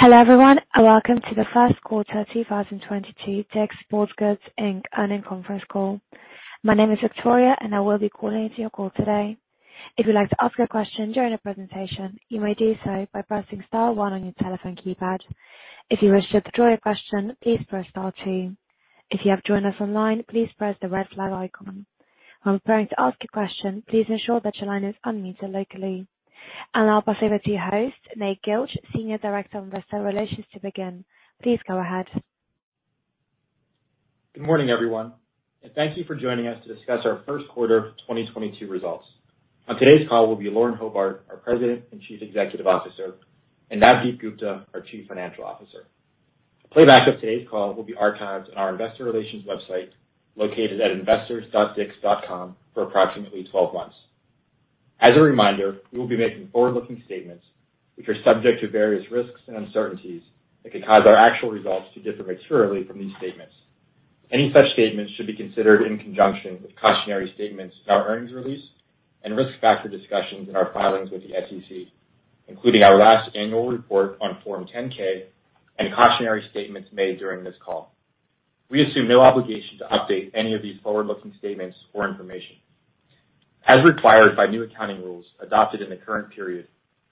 Hello, everyone, and welcome to the First Quarter 2022 DICK'S Sporting Goods, Inc. Earnings Conference Call. My name is Victoria, and I will be calling into your call today. If you'd like to ask a question during the presentation, you may do so by pressing star one on your telephone keypad. If you wish to withdraw your question, please press star two. If you have joined us online, please press the red flag icon. When preparing to ask a question, please ensure that your line is unmuted locally. I'll now pass it over to your host, Nate Gilch, Senior Director of Investor Relations, to begin. Please go ahead. Good morning, everyone, and thank you for joining us to discuss our 1st quarter 2022 results. On today's call will be Lauren Hobart, our President and Chief Executive Officer, and Navdeep Gupta, our Chief Financial Officer. A playback of today's call will be archived on our investor relations website, located at investors.dicks.com for approximately 12 months. As a reminder, we will be making forward-looking statements which are subject to various risks and uncertainties that could cause our actual results to differ materially from these statements. Any such statements should be considered in conjunction with cautionary statements in our earnings release and risk factor discussions in our filings with the SEC, including our last annual report on Form 10-K and cautionary statements made during this call. We assume no obligation to update any of these forward-looking statements or information. As required by new accounting rules adopted in the current period,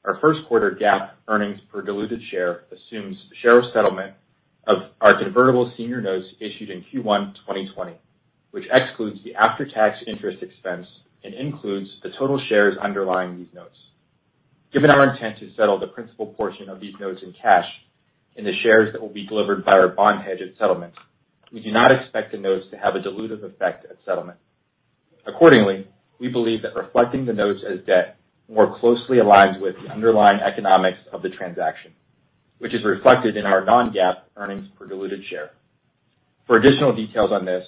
our 1st quarter GAAP earnings per diluted share assumes share settlement of our convertible senior notes issued in Q1 2020, which excludes the after-tax interest expense and includes the total shares underlying these notes. Given our intent to settle the principal portion of these notes in cash and the shares that will be delivered by our bond hedge at settlement, we do not expect the notes to have a dilutive effect at settlement. Accordingly, we believe that reflecting the notes as debt more closely aligns with the underlying economics of the transaction, which is reflected in our non-GAAP earnings per diluted share. For additional details on this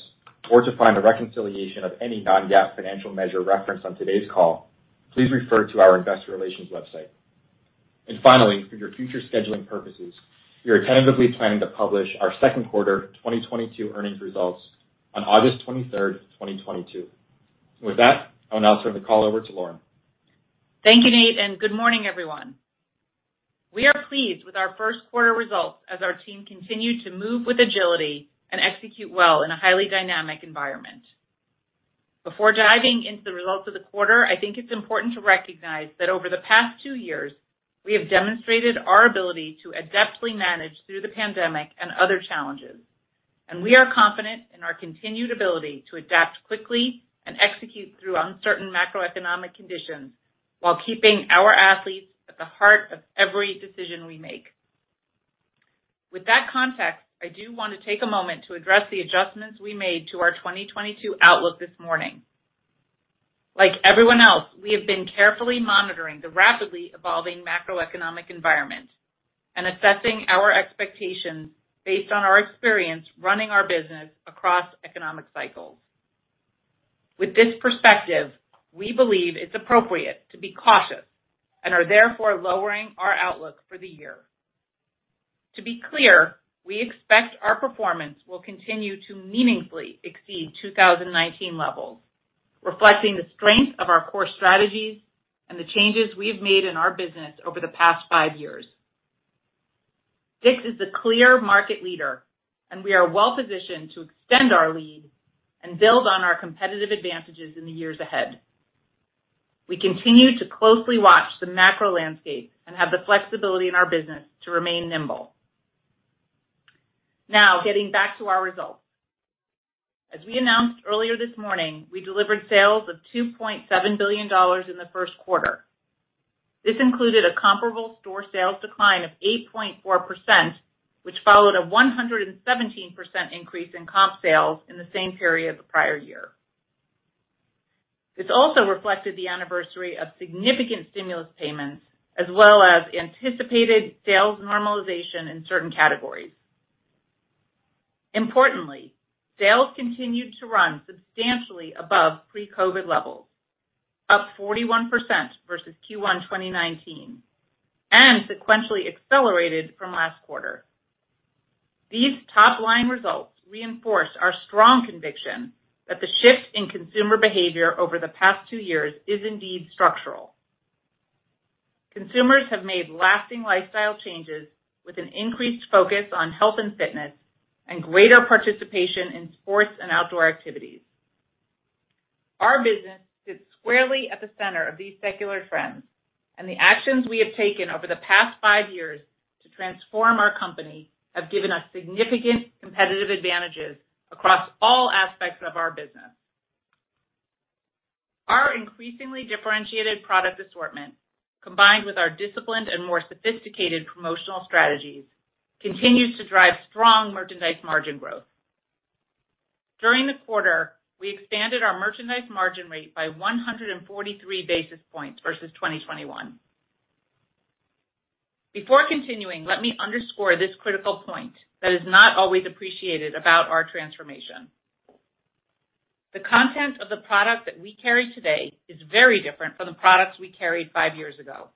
or to find a reconciliation of any non-GAAP financial measure referenced on today's call, please refer to our investor relations website. Finally, for your future scheduling purposes, we are tentatively planning to publish our 2nd quarter 2022 earnings results on August 23rd, 2022. With that, I'll now turn the call over to Lauren. Thank you, Nate, and good morning, everyone. We are pleased with our 1st quarter results as our team continued to move with agility and execute well in a highly dynamic environment. Before diving into the results of the quarter, I think it's important to recognize that over the past two years, we have demonstrated our ability to adeptly manage through the pandemic and other challenges, and we are confident in our continued ability to adapt quickly and execute through uncertain macroeconomic conditions while keeping our athletes at the heart of every decision we make. With that context, I do want to take a moment to address the adjustments we made to our 2022 outlook this morning. Like everyone else, we have been carefully monitoring the rapidly evolving macroeconomic environment and assessing our expectations based on our experience running our business across economic cycles. With this perspective, we believe it's appropriate to be cautious and are therefore lowering our outlook for the year. To be clear, we expect our performance will continue to meaningfully exceed 2019 levels, reflecting the strength of our core strategies and the changes we have made in our business over the past five years. DICK'S is the clear market leader, and we are well positioned to extend our lead and build on our competitive advantages in the years ahead. We continue to closely watch the macro landscape and have the flexibility in our business to remain nimble. Now, getting back to our results. As we announced earlier this morning, we delivered sales of $2.7 billion in the 1st quarter. This included a comparable store sales decline of 8.4%, which followed a 117% increase in comp sales in the same period the prior year. This also reflected the anniversary of significant stimulus payments as well as anticipated sales normalization in certain categories. Importantly, sales continued to run substantially above pre-COVID levels, up 41% versus Q1 2019, and sequentially accelerated from last quarter. These top-line results reinforce our strong conviction that the shift in consumer behavior over the past two years is indeed structural. Consumers have made lasting lifestyle changes with an increased focus on health and fitness and greater participation in sports and outdoor activities. Our business sits squarely at the center of these secular trends, and the actions we have taken over the past five years to transform our company have given us significant competitive advantages across all aspects of our business. Our increasingly differentiated product assortment, combined with our disciplined and more sophisticated promotional strategies, continues to drive strong merchandise margin growth. During the quarter, we expanded our merchandise margin rate by 143 basis points versus 2021. Before continuing, let me underscore this critical point that is not always appreciated about our transformation. The content of the product that we carry today is very different from the products we carried five years ago.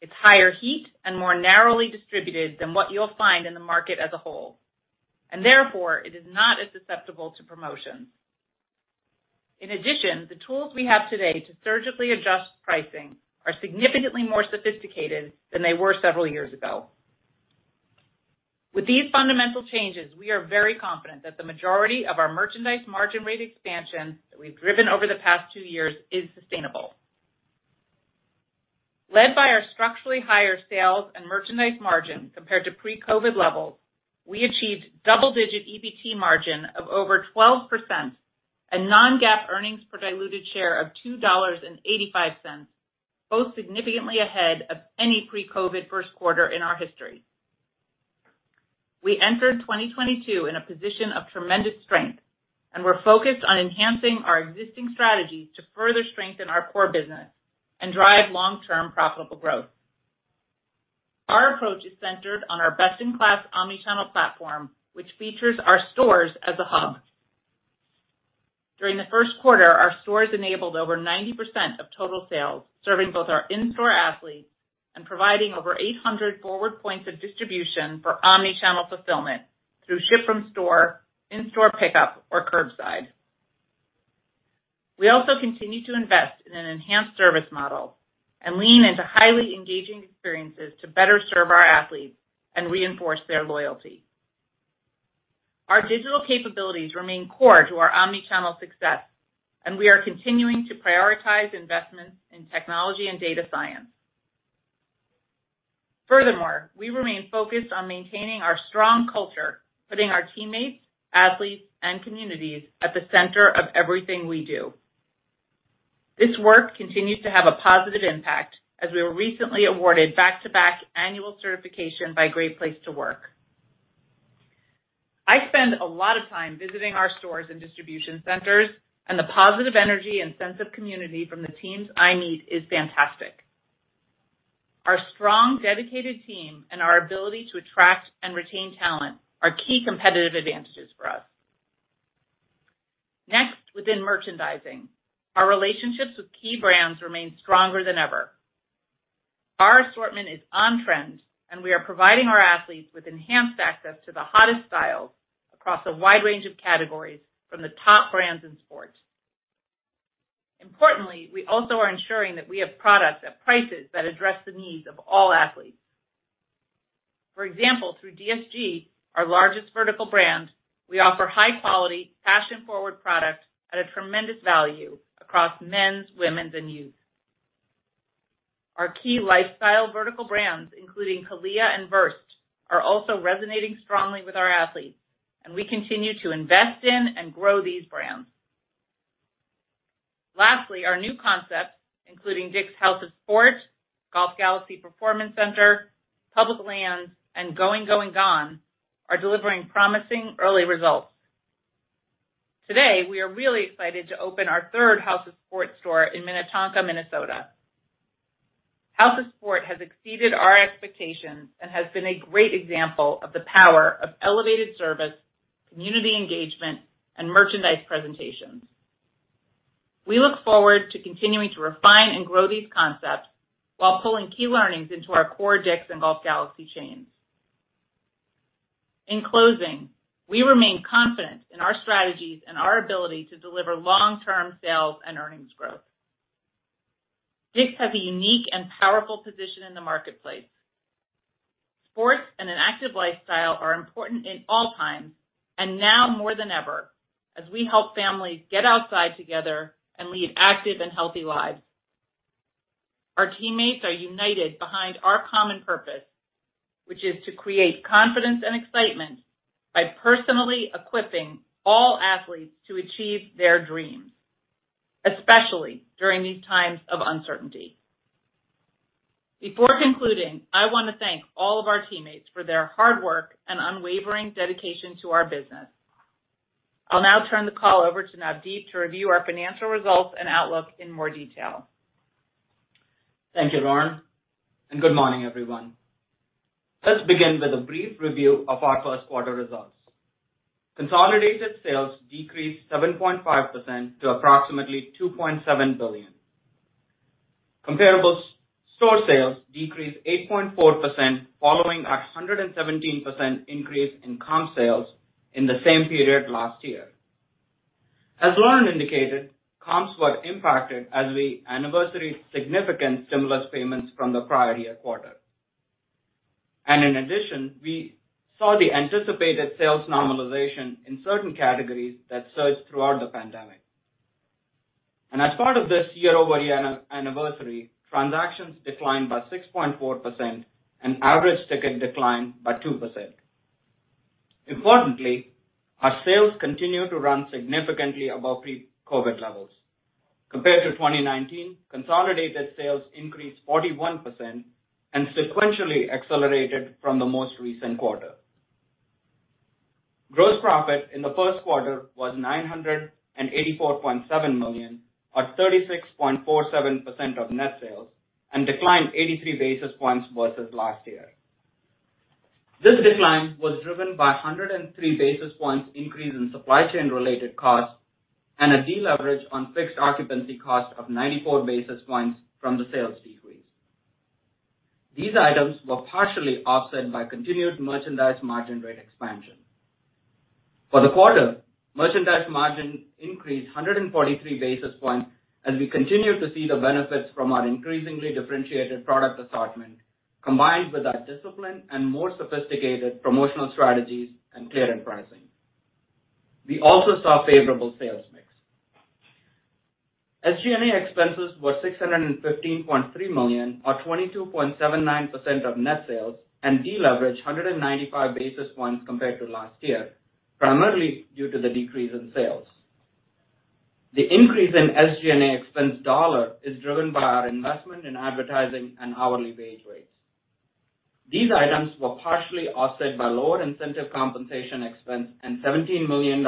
It's higher heat and more narrowly distributed than what you'll find in the market as a whole, and therefore, it is not as susceptible to promotions. In addition, the tools we have today to surgically adjust pricing are significantly more sophisticated than they were several years ago. With these fundamental changes, we are very confident that the majority of our merchandise margin rate expansion that we've driven over the past two years is sustainable. Led by our structurally higher sales and merchandise margin compared to pre-COVID levels, we achieved double-digit EBT margin of over 12% and non-GAAP earnings per diluted share of $2.85, both significantly ahead of any pre-COVID 1st quarter in our history. We entered 2022 in a position of tremendous strength, and we're focused on enhancing our existing strategies to further strengthen our core business and drive long-term profitable growth. Our approach is centered on our best-in-class omnichannel platform, which features our stores as a hub. During the 1st quarter, our stores enabled over 90% of total sales, serving both our in-store athletes and providing over 800 forward points of distribution for omnichannel fulfillment through ship from store, in-store pickup, or curbside. We also continue to invest in an enhanced service model and lean into highly engaging experiences to better serve our athletes and reinforce their loyalty. Our digital capabilities remain core to our omnichannel success, and we are continuing to prioritize investments in technology and data science. Furthermore, we remain focused on maintaining our strong culture, putting our teammates, athletes, and communities at the center of everything we do. This work continues to have a positive impact as we were recently awarded back-to-back annual certification by Great Place to Work. I spend a lot of time visiting our stores and distribution centers and the positive energy and sense of community from the teams I meet is fantastic. Our strong, dedicated team and our ability to attract and retain talent are key competitive advantages for us. Next, within merchandising, our relationships with key brands remain stronger than ever. Our assortment is on trend, and we are providing our athletes with enhanced access to the hottest styles across a wide range of categories from the top brands in sports. Importantly, we also are ensuring that we have products at prices that address the needs of all athletes. For example, through DSG, our largest vertical brand, we offer high quality, fashion-forward products at a tremendous value across men's, women's, and youth. Our key lifestyle vertical brands, including CALIA and VRST, are also resonating strongly with our athletes, and we continue to invest in and grow these brands. Lastly, our new concepts, including DICK'S House of Sport, Golf Galaxy Performance Center, Public Lands, and, are delivering promising early results. Today, we are really excited to open our 3rd House of Sport store in Minnetonka, Minnesota. House of Sport has exceeded our expectations and has been a great example of the power of elevated service, community engagement, and merchandise presentations. We look forward to continuing to refine and grow these concepts while pulling key learnings into our core DICK'S and Golf Galaxy chains. In closing, we remain confident in our strategies and our ability to deliver long-term sales and earnings growth. DICK'S has a unique and powerful position in the marketplace. Sports and an active lifestyle are important in all times and now more than ever, as we help families get outside together and lead active and healthy lives. Our teammates are united behind our common purpose, which is to create confidence and excitement by personally equipping all athletes to achieve their dreams, especially during these times of uncertainty. Before concluding, I want to thank all of our teammates for their hard work and unwavering dedication to our business. I'll now turn the call over to Navdeep to review our financial results and outlook in more detail. Thank you, Lauren, and good morning, everyone. Let's begin with a brief review of our 1st quarter results. Consolidated sales decreased 7.5% to approximately $2.7 billion. Comparable store sales decreased 8.4%, following a 117% increase in comp sales in the same period last year. As Lauren indicated, comps were impacted as we anniversaried significant stimulus payments from the prior year quarter. In addition, we saw the anticipated sales normalization in certain categories that surged throughout the pandemic. As part of this year-over-year anniversary, transactions declined by 6.4% and average ticket declined by 2%. Importantly, our sales continue to run significantly above pre-COVID levels. Compared to 2019, consolidated sales increased 41% and sequentially accelerated from the most recent quarter. Gross profit in the 1st quarter was $984.7 million, or 36.47% of net sales, and declined 83 basis points versus last year. This decline was driven by a 103 basis points increase in supply chain-related costs and a deleverage on fixed occupancy cost of 94 basis points from the sales decrease. These items were partially offset by continued merchandise margin rate expansion. For the quarter, merchandise margin increased 143 basis points as we continued to see the benefits from our increasingly differentiated product assortment, combined with our discipline and more sophisticated promotional strategies and clearance pricing. We also saw favorable sales mix. SG&A expenses were $615.3 million, or 22.79% of net sales, and deleveraged 195 basis points compared to last year, primarily due to the decrease in sales. The increase in SG&A expense dollars is driven by our investment in advertising and hourly wage rates. These items were partially offset by lower incentive compensation expense and $17 million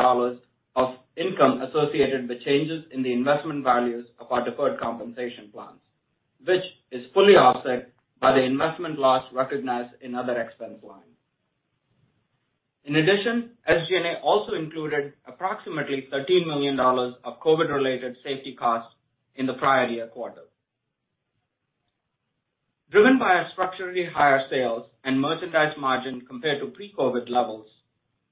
of income associated with changes in the investment values of our deferred compensation plans, which is fully offset by the investment loss recognized in other expense lines. In addition, SG&A also included approximately $13 million of COVID-related safety costs in the prior year quarter. Driven by our structurally higher sales and merchandise margin compared to pre-COVID levels,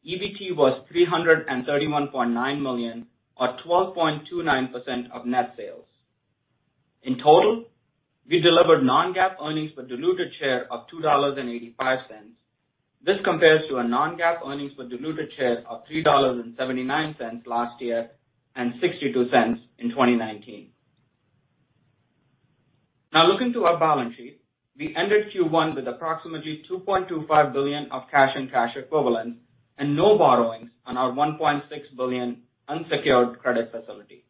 EBT was $331.9 million, or 12.29% of net sales. In total, we delivered non-GAAP earnings per diluted share of $2.85. This compares to a non-GAAP earnings per diluted share of $3.79 last year, and $0.62 in 2019. Now looking to our balance sheet, we ended Q1 with approximately $2.25 billion of cash and cash equivalents and no borrowings on our $1.6 billion unsecured credit facility.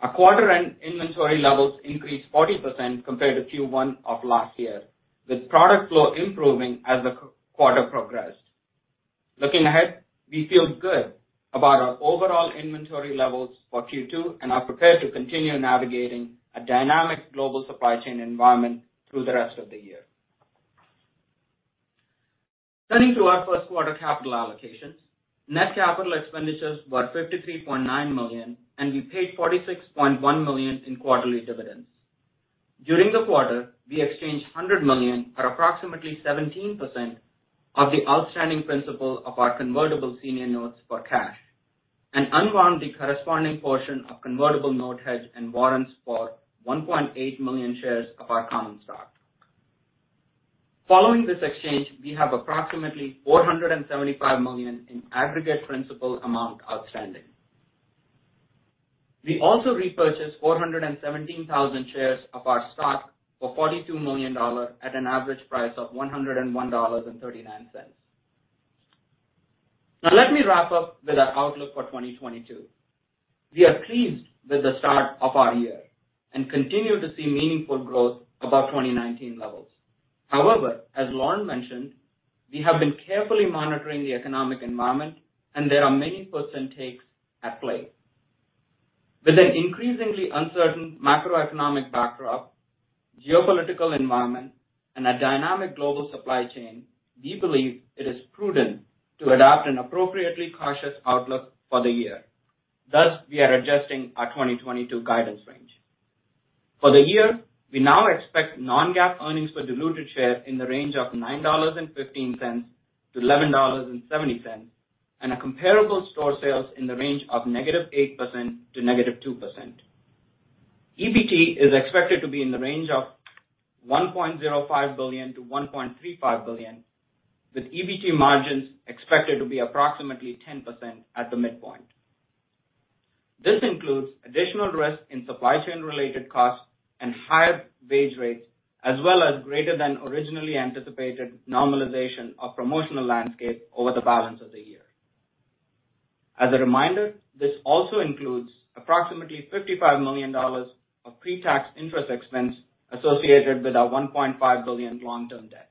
Our quarter end inventory levels increased 40% compared to Q1 of last year, with product flow improving as the quarter progressed. Looking ahead, we feel good about our overall inventory levels for Q2 and are prepared to continue navigating a dynamic global supply chain environment through the rest of the year. Turning to our 1st quarter capital allocations, net capital expenditures were $53.9 million, and we paid $46.1 million in quarterly dividends. During the quarter, we exchanged $100 million, or approximately 17% of the outstanding principal of our convertible senior notes for cash, and unwound the corresponding portion of convertible note hedge and warrants for 1.8 million shares of our common stock. Following this exchange, we have approximately $475 million in aggregate principal amount outstanding. We also repurchased 417,000 shares of our stock for $42 million at an average price of $101.39. Now let me wrap up with our outlook for 2022. We are pleased with the start of our year and continue to see meaningful growth above 2019 levels. However, as Lauren mentioned, we have been carefully monitoring the economic environment and there are many factors at play. With an increasingly uncertain macroeconomic backdrop, geopolitical environment, and a dynamic global supply chain, we believe it is prudent to adopt an appropriately cautious outlook for the year. Thus, we are adjusting our 2022 guidance range. For the year, we now expect non-GAAP earnings per diluted share in the range of $9.15-$11.70, and comparable store sales in the range of -8% to -2%. EBT is expected to be in the range of $1.05 billion-$1.35 billion, with EBT margins expected to be approximately 10% at the midpoint. This includes additional risk in supply chain related costs and higher wage rates, as well as greater than originally anticipated normalization of promotional landscape over the balance of the year. As a reminder, this also includes approximately $55 million of pre-tax interest expense associated with our $1.5 billion long-term debt.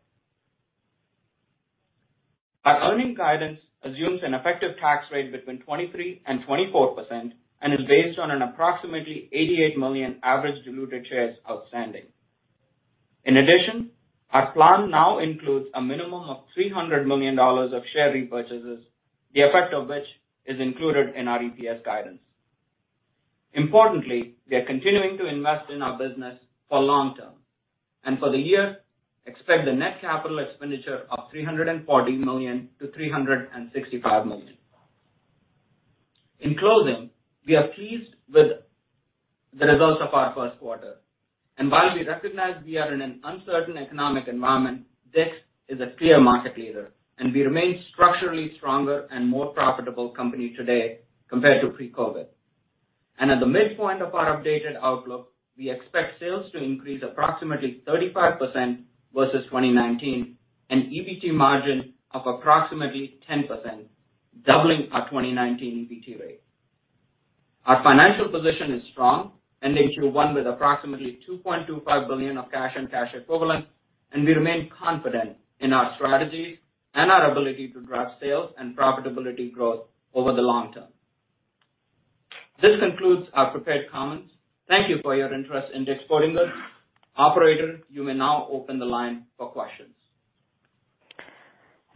Our earning guidance assumes an effective tax rate between 23% and 24% and is based on an approximately 88 million average diluted shares outstanding. In addition, our plan now includes a minimum of $300 million of share repurchases, the effect of which is included in our EPS guidance. Importantly, we are continuing to invest in our business for long term. For the year, expect net capital expenditure of $340 million-$365 million. In closing, we are pleased with the results of our 1st quarter. While we recognize we are in an uncertain economic environment, this is a clear market leader, and we remain structurally stronger and more profitable company today compared to pre-COVID. At the midpoint of our updated outlook, we expect sales to increase approximately 35% versus 2019, and EBT margin of approximately 10%, doubling our 2019 EBT rate. Our financial position is strong, ending Q1 with approximately $2.25 billion of cash and cash equivalents, and we remain confident in our strategy and our ability to drive sales and profitability growth over the long term. This concludes our prepared comments. Thank you for your interest in DICK'S Sporting Goods. Operator, you may now open the line for questions.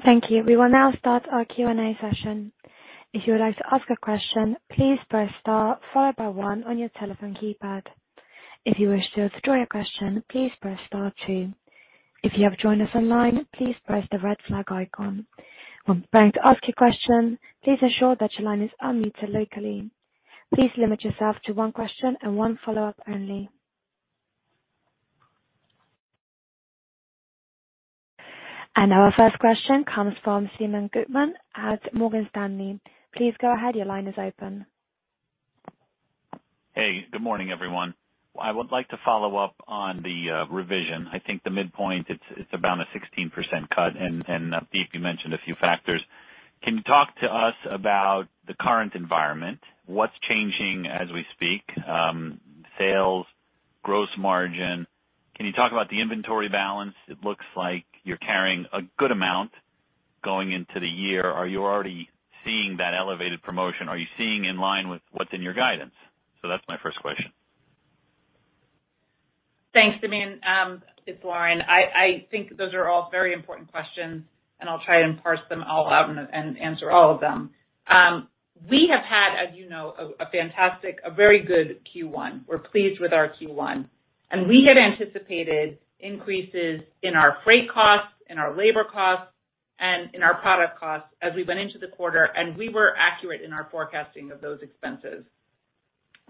Thank you. We will now start our Q&A session. If you would like to ask a question, please press star followed by one on your telephone keypad. If you wish to withdraw your question, please press star two. If you have joined us online, please press the red flag icon. When preparing to ask your question, please ensure that your line is unmuted locally. Please limit yourself to one question and one follow-up only. Our 1st question comes from Simeon Gutman at Morgan Stanley. Please go ahead. Your line is open. Hey, good morning, everyone. I would like to follow up on the revision. I think the midpoint, it's around a 16% cut. Navdeep, you mentioned a few factors. Can you talk to us about the current environment? What's changing as we speak, sales, gross margin? Can you talk about the inventory balance? It looks like you're carrying a good amount going into the year. Are you already seeing that elevated promotion? Are you seeing in line with what's in your guidance? That's my 1st question. Thanks, Simeon. It's Lauren. I think those are all very important questions, and I'll try and parse them all out and answer all of them. We have had, as you know, a fantastic, a very good Q1. We're pleased with our Q1. We had anticipated increases in our freight costs, in our labor costs, and in our product costs as we went into the quarter, and we were accurate in our forecasting of those expenses.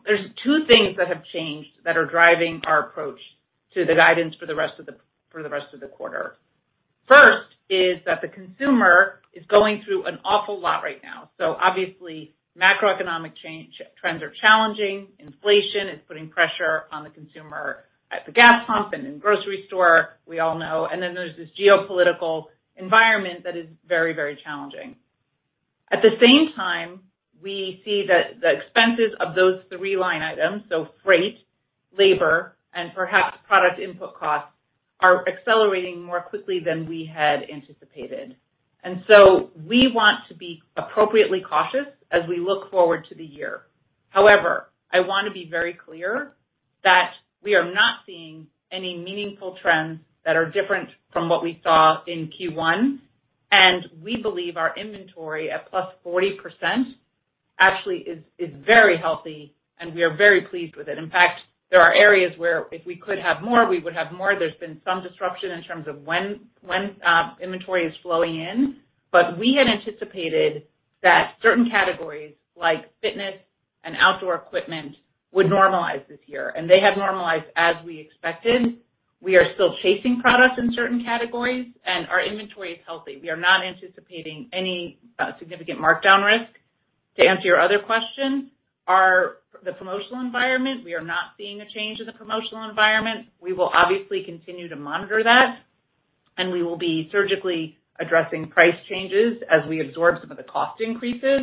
There are two things that have changed that are driving our approach to the guidance for the rest of the quarter. First is that the consumer is going through an awful lot right now, so obviously macroeconomic change trends are challenging. Inflation is putting pressure on the consumer at the gas pump and in grocery store, we all know. Then there's this geopolitical environment that is very, very challenging. At the same time, we see that the expenses of those three line items, so freight, labor, and perhaps product input costs, are accelerating more quickly than we had anticipated. We want to be appropriately cautious as we look forward to the year. However, I wanna be very clear that we are not seeing any meaningful trends that are different from what we saw in Q1. We believe our inventory at +40% actually is very healthy, and we are very pleased with it. In fact, there are areas where if we could have more, we would have more. There's been some disruption in terms of when inventory is flowing in. We had anticipated that certain categories like fitness and outdoor equipment would normalize this year, and they have normalized as we expected. We are still chasing products in certain categories, and our inventory is healthy. We are not anticipating any significant markdown risk. To answer your other question, the promotional environment, we are not seeing a change in the promotional environment. We will obviously continue to monitor that, and we will be surgically addressing price changes as we absorb some of the cost increases.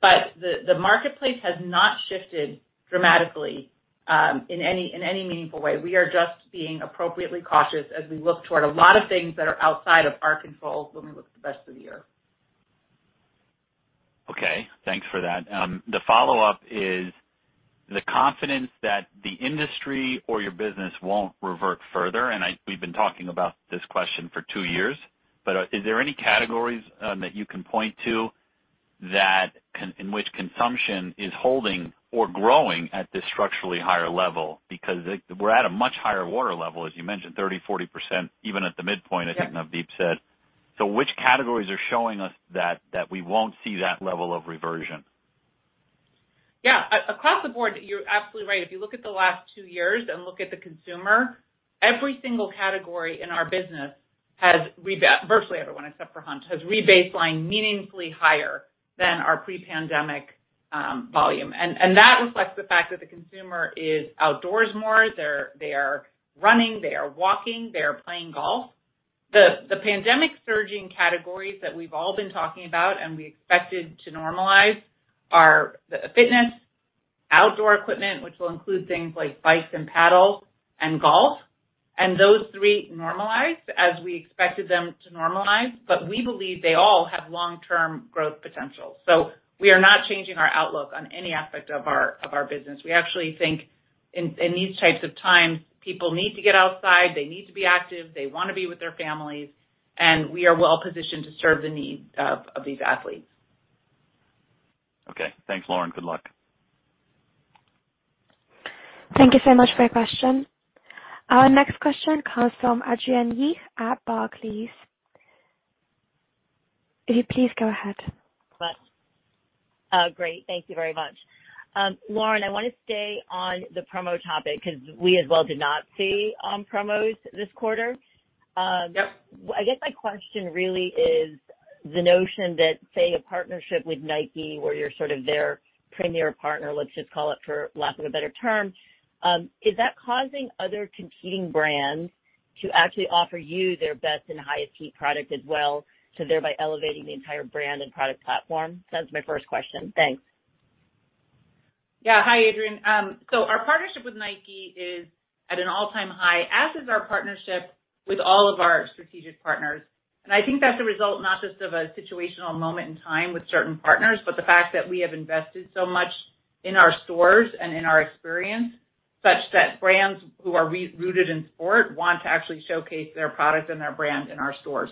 The marketplace has not shifted dramatically in any meaningful way. We are just being appropriately cautious as we look toward a lot of things that are outside of our control when we look at the rest of the year. Okay. Thanks for that. The follow-up is the confidence that the industry or your business won't revert further. We've been talking about this question for two years, but is there any categories that you can point to in which consumption is holding or growing at this structurally higher level? Because we're at a much higher water level, as you mentioned, 30%-40% even at the midpoint. Yeah. I think Navdeep said. Which categories are showing us that we won't see that level of reversion? Yeah. Across the board, you're absolutely right. If you look at the last two years and look at the consumer, every single category in our business has rebaselined. Virtually everyone except for Hunt has rebaselined meaningfully higher than our pre-pandemic volume. That reflects the fact that the consumer is outdoors more. They are running, they are walking, they are playing golf. The pandemic surging categories that we've all been talking about and we expected to normalize are the fitness, outdoor equipment, which will include things like bikes and paddle and golf. Those three normalize as we expected them to normalize, but we believe they all have long-term growth potential. We are not changing our outlook on any aspect of our business. We actually think in these types of times, people need to get outside, they need to be active, they wanna be with their families, and we are well-positioned to serve the needs of these athletes. Okay. Thanks, Lauren. Good luck. Thank you so much for your question. Our next question comes from Adrienne Yih at Barclays. You please go ahead. Thanks. Great. Thank you very much. Lauren, I wanna stay on the promo topic 'cause we as well did not see promos this quarter. Yep. I guess my question really is the notion that, say, a partnership with Nike, where you're sort of their premier partner, let's just call it, for lack of a better term, is that causing other competing brands to actually offer you their best and highest heat product as well to thereby elevating the entire brand and product platform? That's my 1st question. Thanks. Yeah. Hi, Adrienne. Our partnership with Nike is at an all-time high, as is our partnership with all of our strategic partners. I think that's a result not just of a situational moment in time with certain partners, but the fact that we have invested so much in our stores and in our experience such that brands who are re-rooted in sport want to actually showcase their products and their brand in our stores.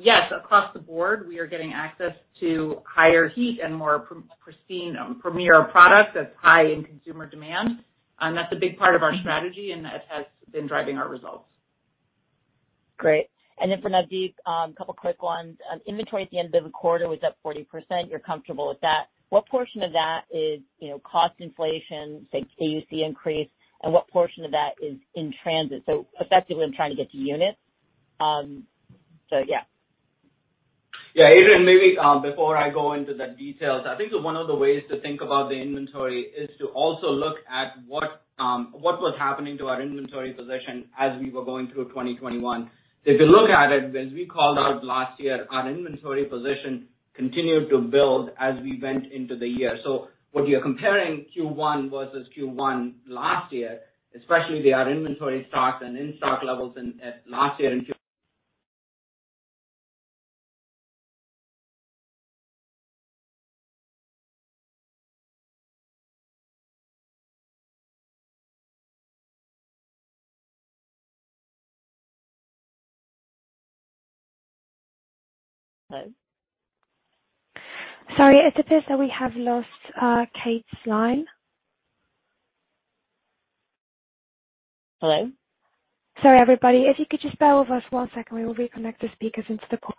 Yes, across the board, we are getting access to higher heat and more pristine, premier products that's high in consumer demand. That's a big part of our strategy, and it has been driving our results. Great. Then for Navdeep, a couple quick ones. Inventory at the end of the quarter was up 40%. You're comfortable with that. What portion of that is, you know, cost inflation, say, AUC increase, and what portion of that is in transit? Effectively, I'm trying to get to units. So yeah. Yeah. Adrienne, maybe before I go into the details, I think one of the ways to think about the inventory is to also look at what was happening to our inventory position as we were going through 2021. If you look at it, as we called out last year, our inventory position continued to build as we went into the year. When you're comparing Q1 versus Q1 last year, especially our inventory stocks and in-stock levels in at last year and Q- Hello? Sorry, it appears that we have lost Kate's line. Hello? Sorry, everybody. If you could just bear with us one second, we will reconnect the speakers into the call.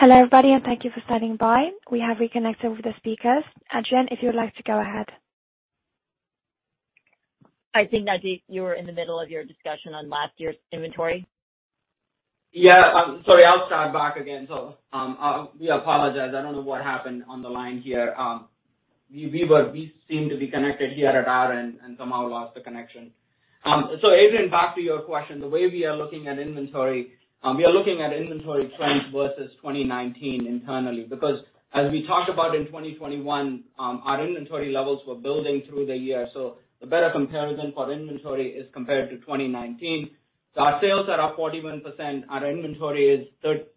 Hello, everybody, and thank you for standing by. We have reconnected with the speakers. Jen, if you would like to go ahead. I think, Navdeep, you were in the middle of your discussion on last year's inventory. Yeah. Sorry, I'll start back again. We apologize. I don't know what happened on the line here. We seem to be connected here at our end, and somehow lost the connection. Adrienne, back to your question, the way we are looking at inventory, we are looking at inventory trends versus 2019 internally. Because as we talked about in 2021, our inventory levels were building through the year. The better comparison for inventory is compared to 2019. Our sales are up 41%. Our inventory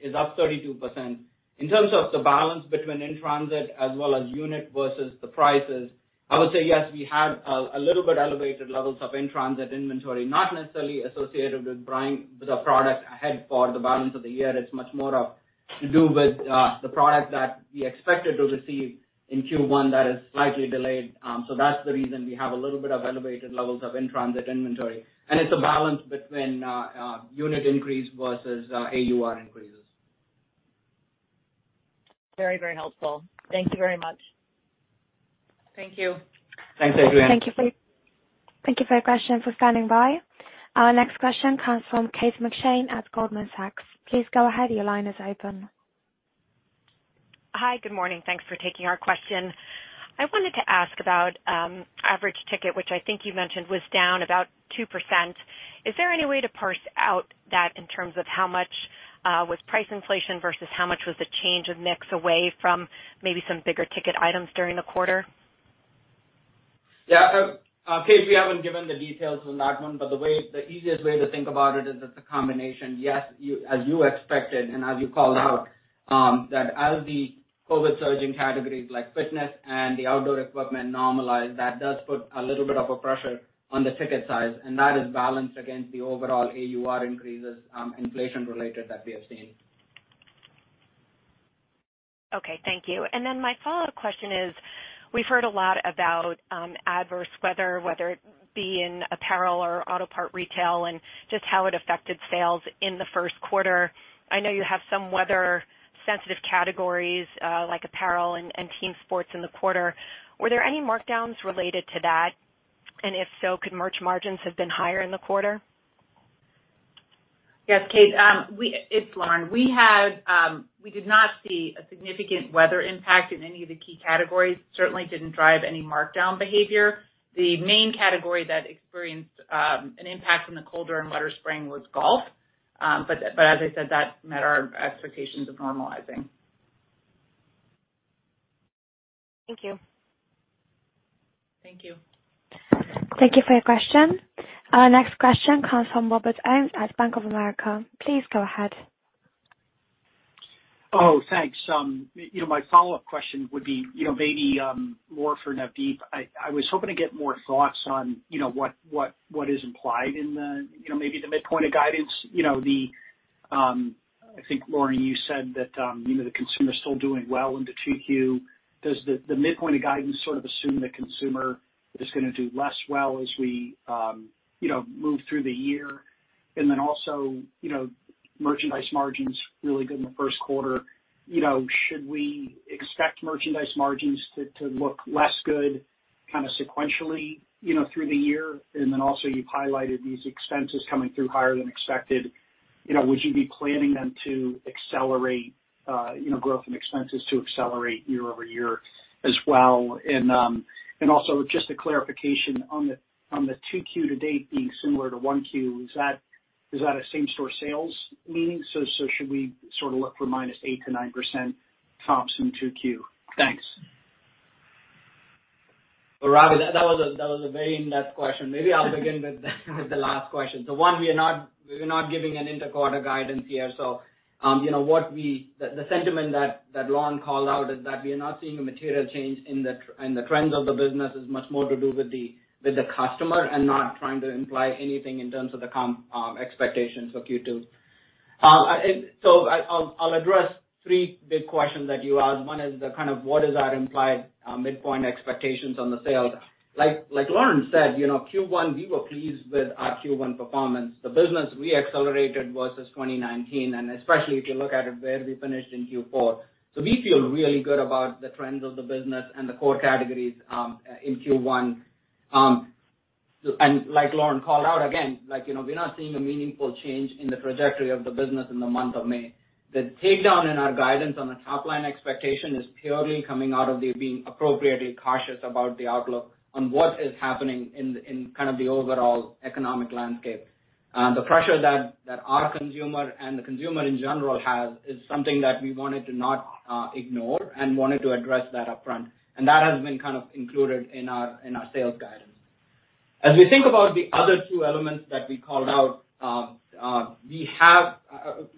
is up 32%. In terms of the balance between in transit as well as unit versus the prices, I would say yes, we have a little bit elevated levels of in-transit inventory, not necessarily associated with buying the product ahead for the balance of the year. It's much more to do with the product that we expected to receive in Q1 that is slightly delayed. That's the reason we have a little bit of elevated levels of in-transit inventory, and it's a balance between unit increase versus AUR increases. Very, very helpful. Thank you very much. Thank you. Thanks, Adrienne. Thank you for your question, for standing by. Our next question comes from Kate McShane at Goldman Sachs. Please go ahead. Your line is open. Hi. Good morning. Thanks for taking our question. I wanted to ask about average ticket, which I think you mentioned was down about 2%. Is there any way to parse out that in terms of how much was price inflation versus how much was the change of mix away from maybe some bigger ticket items during the quarter? Yeah. Kate, we haven't given the details on that one, but the easiest way to think about it is it's a combination. Yes, you, as you expected and as you called out, that as the COVID surge in categories like fitness and the outdoor equipment normalize, that does put a little bit of a pressure on the ticket size, and that is balanced against the overall AUR increases, inflation related that we have seen. Okay. Thank you. My follow-up question is, we've heard a lot about adverse weather, whether it be in apparel or auto parts retail and just how it affected sales in the 1st quarter. I know you have some weather sensitive categories, like apparel and team sports in the quarter. Were there any markdowns related to that? If so, could merch margins have been higher in the quarter? Yes, Kate. It's Lauren. We did not see a significant weather impact in any of the key categories. Certainly didn't drive any markdown behavior. The main category that experienced an impact from the colder and wetter spring was golf. As I said, that met our expectations of normalizing. Thank you. Thank you. Thank you for your question. Our next question comes from Robert Ohmes at Bank of America. Please go ahead. Oh, thanks. You know, my follow-up question would be, you know, maybe more for Navdeep. I was hoping to get more thoughts on, you know, what is implied in the, you know, maybe the midpoint of guidance. You know, I think, Lauren, you said that, you know, the consumer is still doing well into 2Q. Does the midpoint of guidance sort of assume the consumer is gonna do less well as we, you know, move through the year? And then also, you know, merchandise margins really good in the 1st quarter. You know, should we expect merchandise margins to look less good kinda sequentially, you know, through the year? And then also, you've highlighted these expenses coming through higher than expected. You know, would you be planning them to accelerate, you know, growth and expenses to accelerate year-over-year as well? Also just a clarification on the 2Q to date being similar to 1Q. Is that a same store sales meaning? Should we sorta look for -8% to -9% comps in 2Q? Thanks. Well, Robbie, that was a very in-depth question. Maybe I'll begin with the last question. One, we're not giving an inter-quarter guidance here, you know. The sentiment that Lauren called out is that we are not seeing a material change in the trends of the business. It's much more to do with the customer and not trying to imply anything in terms of the expectations for Q2. I'll address three big questions that you asked. One is what is our implied midpoint expectations on the sales. Like Lauren said, you know, Q1 we were pleased with our Q1 performance. The business accelerated versus 2019, and especially if you look at it where we finished in Q4. We feel really good about the trends of the business and the core categories in Q1. Like Lauren called out, again, like, you know, we're not seeing a meaningful change in the trajectory of the business in the month of May. The takedown in our guidance on the top line expectation is purely coming out of being appropriately cautious about the outlook on what is happening in kind of the overall economic landscape. The pressure that our consumer and the consumer in general has is something that we wanted to not ignore and wanted to address that upfront. That has been kind of included in our sales guidance. As we think about the other two elements that we called out, we have,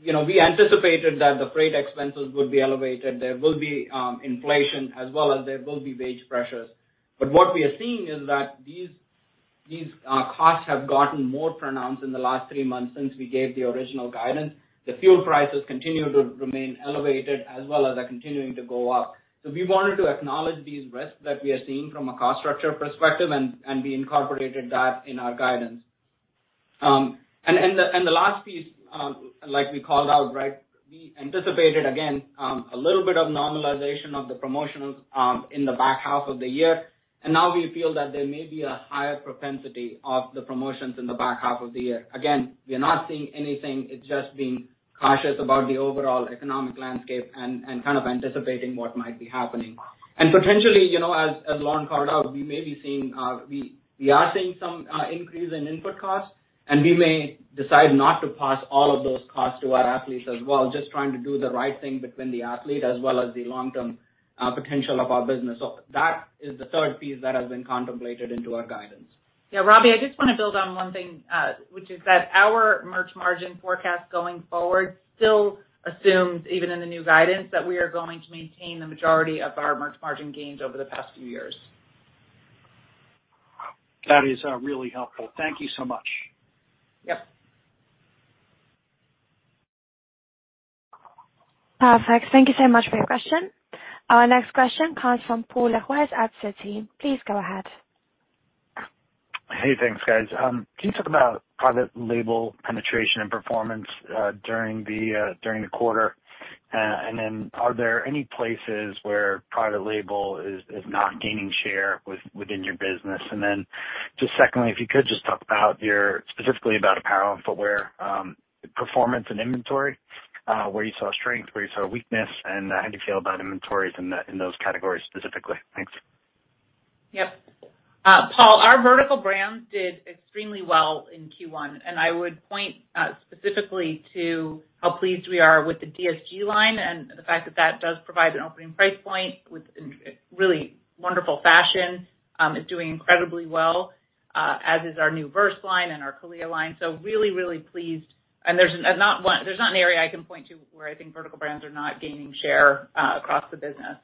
you know, we anticipated that the freight expenses would be elevated. There will be inflation as well as there will be wage pressures. What we are seeing is that these costs have gotten more pronounced in the last three months since we gave the original guidance. The fuel prices continue to remain elevated as well as are continuing to go up. We wanted to acknowledge these risks that we are seeing from a cost structure perspective, and we incorporated that in our guidance. The last piece, like we called out, right, we anticipated again a little bit of normalization of the promotions in the back half of the year. Now we feel that there may be a higher propensity of the promotions in the back half of the year. Again, we're not seeing anything. It's just being cautious about the overall economic landscape and kind of anticipating what might be happening. Potentially, you know, as Lauren called out, we are seeing some increase in input costs, and we may decide not to pass all of those costs to our athletes as well, just trying to do the right thing between the athlete as well as the long term potential of our business. That is the 3rd piece that has been contemplated into our guidance. Yeah, Robbie, I just wanna build on one thing, which is that our merch margin forecast going forward still assumes, even in the new guidance, that we are going to maintain the majority of our merch margin gains over the past few years. That is, really helpful. Thank you so much. Yep. Perfect. Thank you so much for your question. Our next question comes from Paul Lejuez at Citi. Please go ahead. Hey, thanks, guys. Can you talk about private label penetration and performance during the quarter? Are there any places where private label is not gaining share within your business? Just secondly, if you could just talk about specifically about apparel and footwear performance and inventory, where you saw strength, where you saw weakness, and how do you feel about inventories in those categories specifically? Thanks. Yep. Paul, our vertical brands did extremely well in Q1, and I would point specifically to how pleased we are with the DSG line and the fact that that does provide an opening price point within really wonderful fashion is doing incredibly well, as is our new VRST line and our CALIA line. So really, really pleased. There's not an area I can point to where I think vertical brands are not gaining share across the business.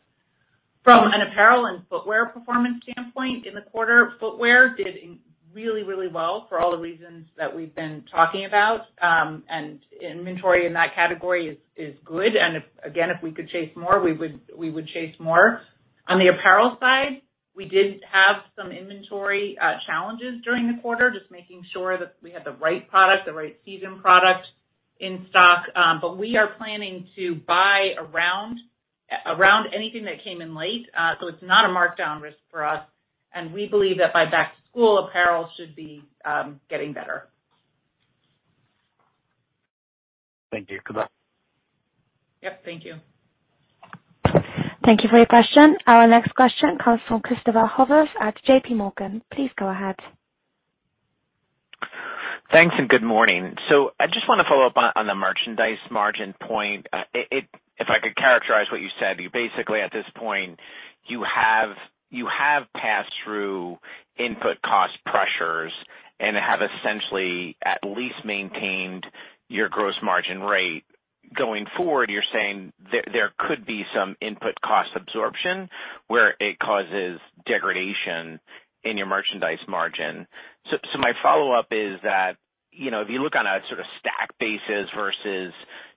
From an apparel and footwear performance standpoint in the quarter, footwear did really, really well for all the reasons that we've been talking about. Inventory in that category is good. If again we could chase more, we would chase more. On the apparel side, we did have some inventory challenges during the quarter, just making sure that we had the right product, the right season product in stock. We are planning to buy around anything that came in late. It's not a markdown risk for us, and we believe that by back-to-school, apparel should be getting better. Thank you. Goodbye. Yep, thank you. Thank you for your question. Our next question comes from Christopher Horvers at J.P. Morgan. Please go ahead. Thanks, good morning. I just wanna follow up on the merchandise margin point. If I could characterize what you said, you basically, at this point, you have passed through input cost pressures and have essentially at least maintained your gross margin rate. Going forward, you're saying there could be some input cost absorption where it causes degradation in your merchandise margin. My follow-up is that, you know, if you look on a sort of stacked basis versus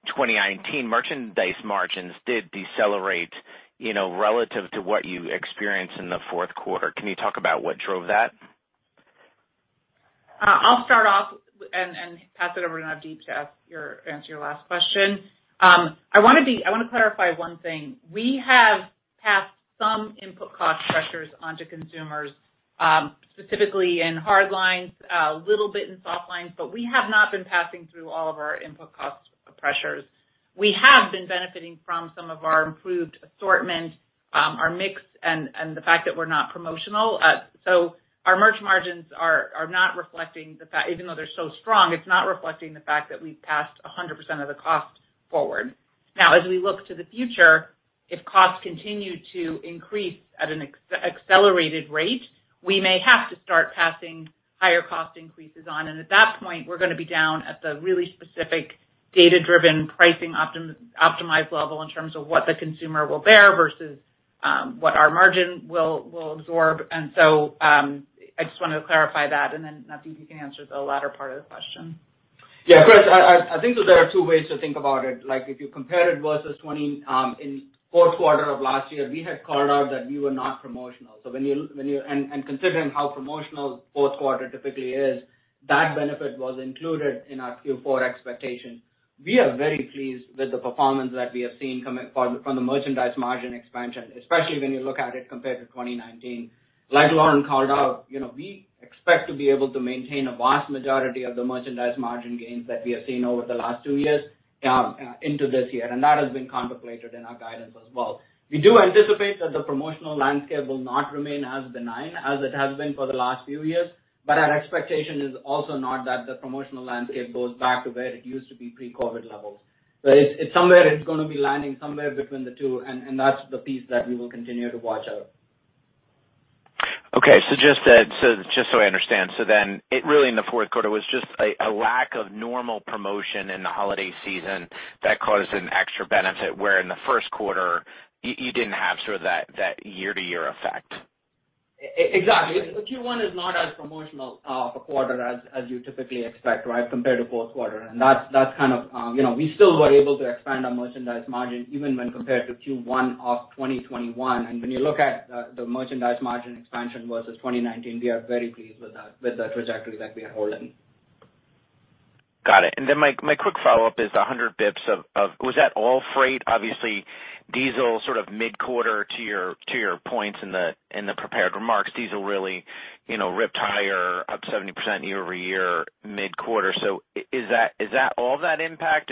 2019, merchandise margins did decelerate, you know, relative to what you experienced in the 4th quarter. Can you talk about what drove that? I'll pass it over to Navdeep to answer your last question. I want to clarify one thing. We have passed some input cost pressures onto consumers, specifically in hardlines, a little bit in softlines, but we have not been passing through all of our input cost pressures. We have been benefiting from some of our improved assortment, our mix and the fact that we're not promotional. So our merch margins are not reflecting the fact. Even though they're so strong, it's not reflecting the fact that we've passed 100% of the cost forward. Now, as we look to the future, if costs continue to increase at an accelerated rate, we may have to start passing higher cost increases on. At that point, we're gonna be down at the really specific data-driven pricing optimized level in terms of what the consumer will bear versus what our margin will absorb. I just wanted to clarify that, and then, Navdeep, you can answer the latter part of the question. Yeah, Chris, I think that there are two ways to think about it. Like, if you compare it versus 2020 in 4th quarter of last year, we had called out that we were not promotional. Considering how promotional 4th quarter typically is, that benefit was included in our Q4 expectation. We are very pleased with the performance that we have seen coming from the merchandise margin expansion, especially when you look at it compared to 2019. Like Lauren called out, you know, we expect to be able to maintain a vast majority of the merchandise margin gains that we have seen over the last two years into this year, and that has been contemplated in our guidance as well. We do anticipate that the promotional landscape will not remain as benign as it has been for the last few years, but our expectation is also not that the promotional landscape goes back to where it used to be pre-COVID levels. It's somewhere. It's gonna be landing somewhere between the two, and that's the piece that we will continue to watch out. Okay. Just so I understand. It really in the 4th quarter was just a lack of normal promotion in the holiday season that caused an extra benefit, where in the 1st quarter, you didn't have sort of that year-over-year effect. Exactly. Q1 is not as promotional a quarter as you typically expect, right, compared to 4th quarter. You know, we still were able to expand our merchandise margin even when compared to Q1 of 2021. When you look at the merchandise margin expansion versus 2019, we are very pleased with that, with the trajectory that we are holding. Got it. My quick follow-up is 100 basis points. Was that all freight? Obviously, diesel sort of mid-quarter to your points in the prepared remarks, diesel really, you know, ripped higher, up 70% year-over-year mid-quarter. Is that all that impact?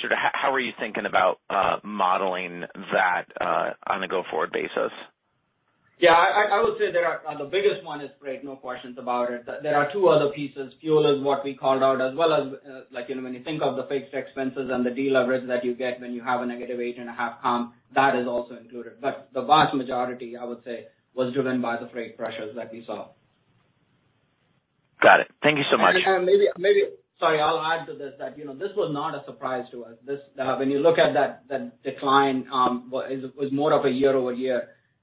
Sort of how are you thinking about modeling that on a go-forward basis? Yeah. I would say there are the biggest one is freight, no questions about it. There are two other pieces. Fuel is what we called out, as well as, like, you know, when you think of the fixed expenses and the deleverage that you get when you have a -8.5% comp, that is also included. The vast majority, I would say, was driven by the freight pressures that we saw. Got it. Thank you so much. Sorry, I'll add to this, that, you know, this was not a surprise to us. This, when you look at that decline, was more of a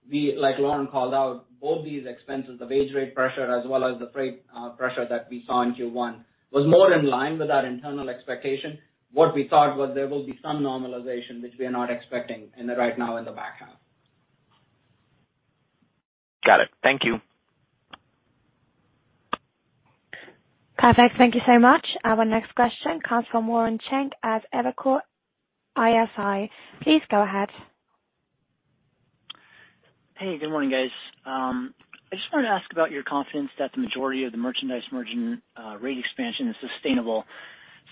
year-over-year. Like Lauren called out, both these expenses, the wage rate pressure as well as the freight pressure that we saw in Q1, was more in line with our internal expectation. What we thought was there will be some normalization, which we are not expecting right now in the back half. Got it. Thank you. Perfect. Thank you so much. Our next question comes from Warren Cheng at Evercore ISI. Please go ahead. Hey, good morning, guys. I just wanted to ask about your confidence that the majority of the merchandise margin rate expansion is sustainable.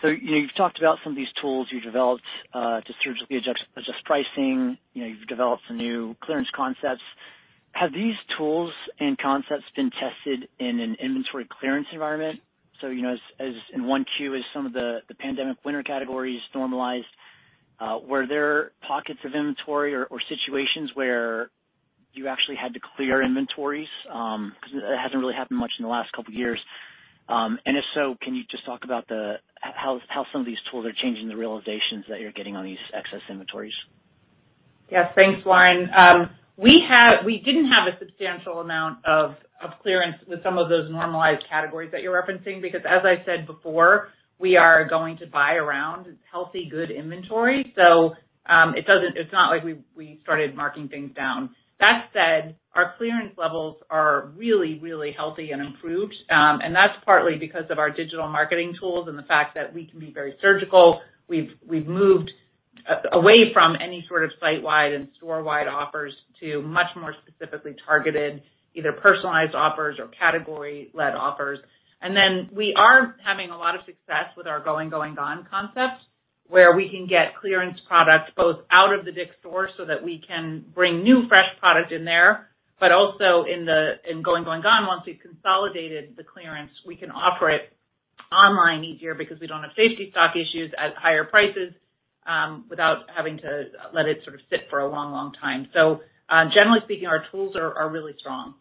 You know, you've talked about some of these tools you developed to surgically adjust pricing. You know, you've developed some new clearance concepts. Have these tools and concepts been tested in an inventory clearance environment? You know, as in 1Q, as some of the pandemic winter categories normalized, were there pockets of inventory or situations where you actually had to clear inventories? 'Cause it hasn't really happened much in the last couple years. If so, can you just talk about how some of these tools are changing the realizations that you're getting on these excess inventories? Yes, thanks, Warren. We didn't have a substantial amount of clearance with some of those normalized categories that you're referencing because as I said before, we are going to buy around healthy, good inventory. It's not like we started marking things down. That said, our clearance levels are really healthy and improved, and that's partly because of our digital marketing tools and the fact that we can be very surgical. We've moved away from any sort of site-wide and store-wide offers to much more specifically targeted, either personalized offers or category-led offers. We are having a lot of success with our Going-Going-Gone concept, where we can get clearance products both out of the DICK'S store so that we can bring new fresh product in there, but also in the. In Going-Going-Gone, once we've consolidated the clearance, we can offer it online easier because we don't have safety stock issues at higher prices, without having to let it sort of sit for a long, long time. Generally speaking, our tools are really strong.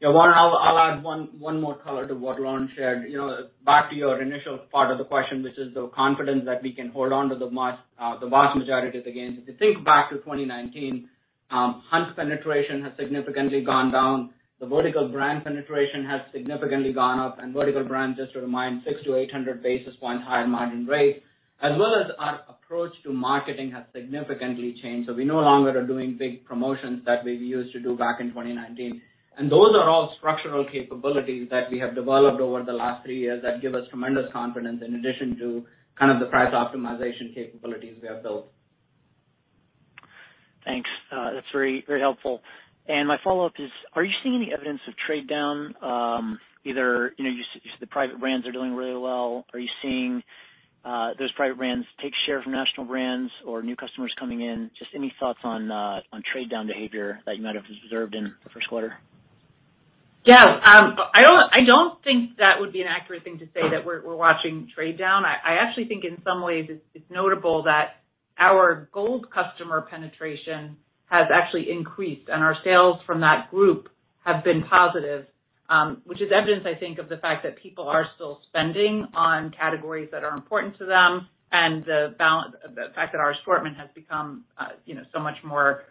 Yeah. I'll add one more color to what Lauren shared. You know, back to your initial part of the question, which is the confidence that we can hold on to the vast majority of the gains. If you think back to 2019, Hunt penetration has significantly gone down. The vertical brand penetration has significantly gone up, and vertical brands, just to remind, 600 basis points-800 basis points higher margin rate. Our approach to marketing has significantly changed. We no longer are doing big promotions that we used to do back in 2019. Those are all structural capabilities that we have developed over the last three years that give us tremendous confidence in addition to kind of the price optimization capabilities we have built. Thanks. That's very, very helpful. My follow-up is, are you seeing any evidence of trade down, either, you know, the private brands are doing really well. Are you seeing those private brands take share from national brands or new customers coming in? Just any thoughts on trade down behavior that you might have observed in the 1st quarter? Yeah. I don't think that would be an accurate thing to say that we're watching trade down. I actually think in some ways it's notable that our gold customer penetration has actually increased, and our sales from that group have been positive, which is evidence I think of the fact that people are still spending on categories that are important to them and the fact that our assortment has become, you know, so much more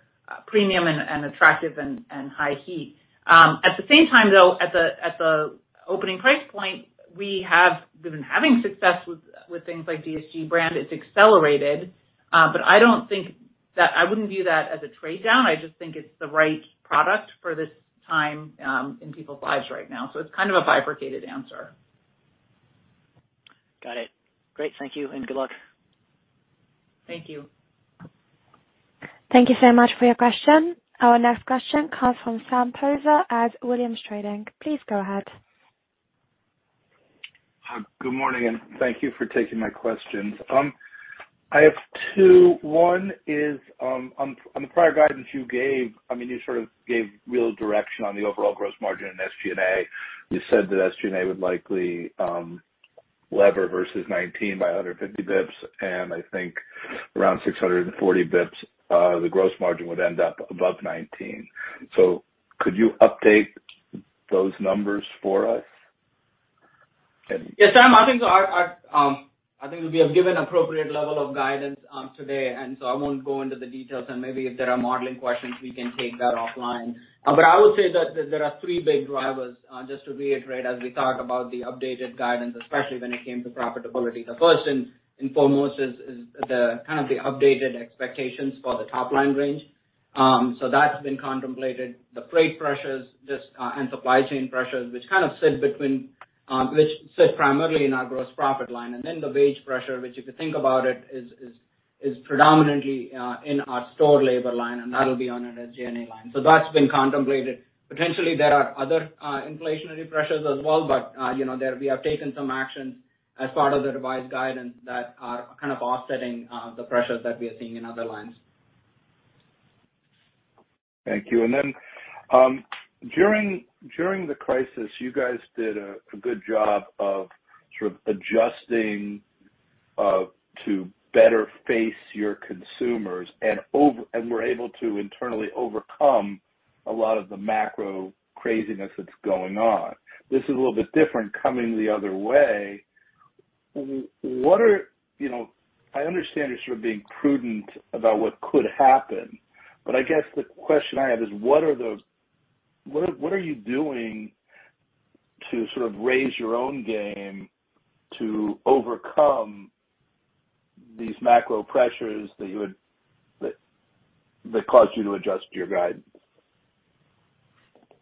premium and attractive and high-end. At the same time, though, at the opening price point, we have been having success with things like DSG brand. It's accelerated. I don't think that. I wouldn't view that as a trade down. I just think it's the right product for this time in people's lives right now. It's kind of a bifurcated answer. Got it. Great. Thank you, and good luck. Thank you. Thank you so much for your question. Our next question comes from Sam Poser at Williams Trading. Please go ahead. Hi. Good morning, and thank you for taking my questions. I have two. One is on the prior guidance you gave. I mean, you sort of gave real direction on the overall gross margin in SG&A. You said that SG&A would likely lever versus 2019 by 150 basis points, and I think around 640 basis points, the gross margin would end up above 2019. Could you update those numbers for us? Yeah. Sam, I think we have given appropriate level of guidance today, and I won't go into the details and maybe if there are modeling questions, we can take that offline. I will say that there are three big drivers just to reiterate as we talk about the updated guidance, especially when it came to profitability. The 1st and foremost is kind of the updated expectations for the top line range. That's been contemplated. The freight pressures and supply chain pressures, which sit primarily in our gross profit line. Then the wage pressure, which if you think about it, is predominantly in our store labor line, and that'll be on an SG&A line. That's been contemplated. Potentially, there are other inflationary pressures as well. You know, there, we have taken some actions as part of the revised guidance that are kind of offsetting the pressures that we are seeing in other lines. Thank you. During the crisis, you guys did a good job of sort of adjusting to better face your consumers and were able to internally overcome a lot of the macro craziness that's going on. This is a little bit different coming the other way. You know, I understand you're sort of being prudent about what could happen, but I guess the question I have is what are you doing to sort of raise your own game to overcome these macro pressures that caused you to adjust your guidance?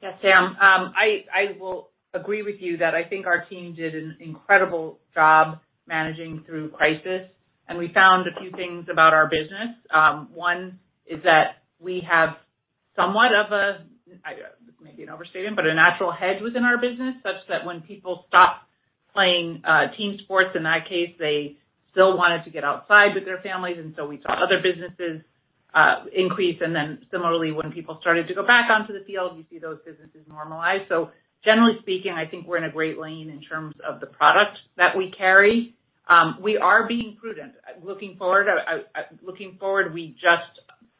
Yes, Sam. I will agree with you that I think our team did an incredible job managing through crisis, and we found a few things about our business. One is that we have somewhat of a, maybe an overstatement, but a natural hedge within our business, such that when people stop playing team sports, in that case, they still wanted to get outside with their families, and so we saw other businesses increase. Then similarly, when people started to go back onto the field, you see those businesses normalize. Generally speaking, I think we're in a great lane in terms of the product that we carry. We are being prudent. Looking forward,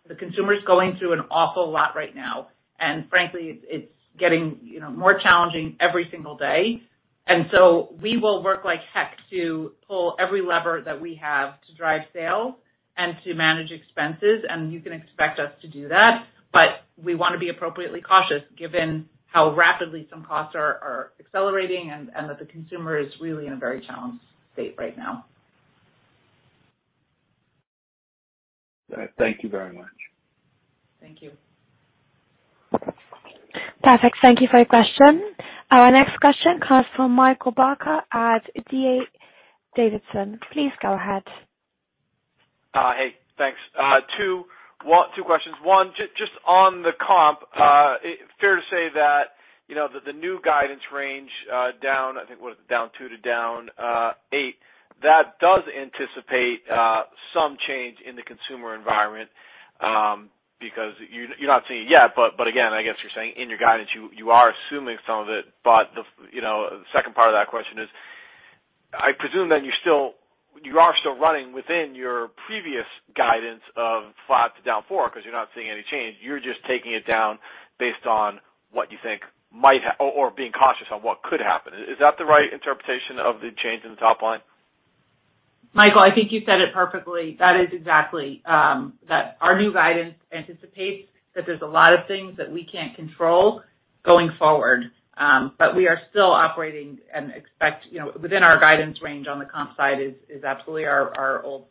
the consumer's going through an awful lot right now, and frankly, it's getting, you know, more challenging every single day. We will work like heck to pull every lever that we have to drive sales and to manage expenses, and you can expect us to do that. We wanna be appropriately cautious given how rapidly some costs are accelerating and that the consumer is really in a very challenged state right now. All right. Thank you very much. Thank you. Perfect. Thank you for your question. Our next question comes from Michael Baker at D.A. Davidson. Please go ahead. Hey, thanks. Two questions. One, just on the comp, fair to say that, you know, the new guidance range, down 2%-8%, that does anticipate some change in the consumer environment, because you're not seeing it yet, but again, I guess you're saying in your guidance, you are assuming some of it. The 2nd part of that question is, I presume that you are still running within your previous guidance of flat to down 4% because you're not seeing any change. You're just taking it down based on what you think might or being cautious on what could happen. Is that the right interpretation of the change in the top line? Michael, I think you said it perfectly. That is exactly that our new guidance anticipates that there's a lot of things that we can't control going forward. We are still operating and expect, you know, within our guidance range on the comp side is absolutely our old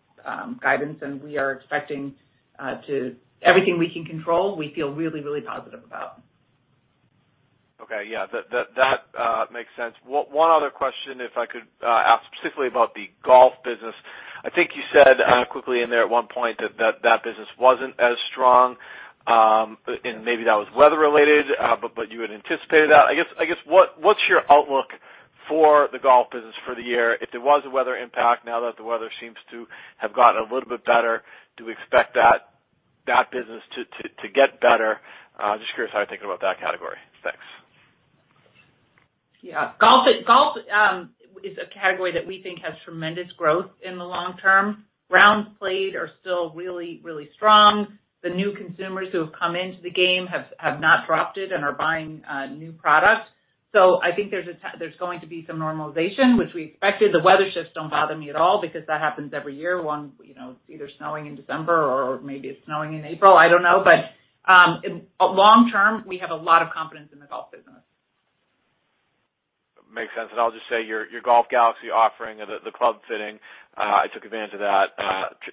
guidance, and we are expecting everything we can control. We feel really, really positive about. Okay. Yeah. That makes sense. One other question, if I could ask specifically about the golf business. I think you said quickly in there at one point that business wasn't as strong, and maybe that was weather related, but you had anticipated that. I guess what's your outlook for the golf business for the year if there was a weather impact now that the weather seems to have gotten a little bit better? Do we expect that business to get better? Just curious how you're thinking about that category. Thanks. Golf is a category that we think has tremendous growth in the long term. Rounds played are still really strong. The new consumers who have come into the game have not dropped it and are buying new products. I think there's going to be some normalization, which we expected. The weather shifts don't bother me at all because that happens every year. You know, it's either snowing in December or maybe it's snowing in April. I don't know. Long term, we have a lot of confidence in the golf business. Makes sense. I'll just say your Golf Galaxy offering, the club fitting. I took advantage of that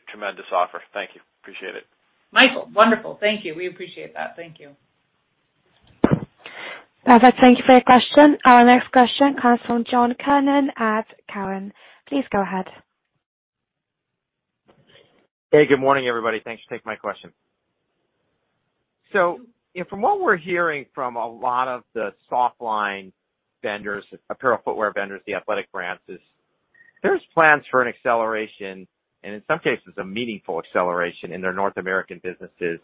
tremendous offer. Thank you. Appreciate it. Michael, wonderful. Thank you. We appreciate that. Thank you. Perfect. Thank you for your question. Our next question comes from John Kernan at TD Cowen. Please go ahead. Hey, good morning, everybody. Thanks for taking my question. From what we're hearing from a lot of the soft line vendors, apparel footwear vendors, the athletic brands, is there's plans for an acceleration and in some cases a meaningful acceleration in their North American businesses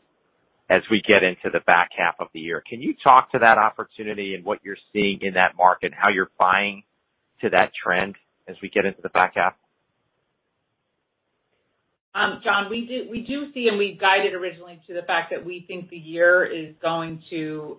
as we get into the back half of the year. Can you talk to that opportunity and what you're seeing in that market, how you're buying to that trend as we get into the back half? John, we see, and we guided originally to the fact that we think the year is going to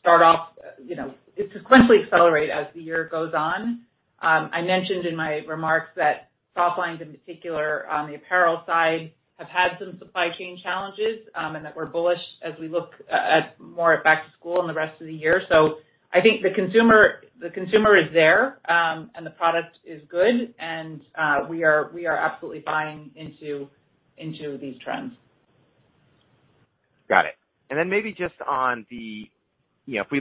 start off, you know, sequentially accelerate as the year goes on. I mentioned in my remarks that soft lines in particular on the apparel side have had some supply chain challenges, and that we're bullish as we look at more at back to school and the rest of the year. I think the consumer is there, and the product is good, and we are absolutely buying into these trends. Got it. Maybe just on the, you know, if we